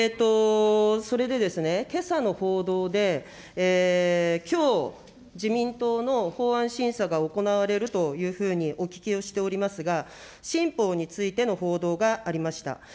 それで、けさの報道で、きょう、自民党の法案審査が行われるというふうにお聞きをしておりますが、新法についての報道がありました。